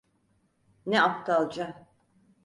Ne aptalca.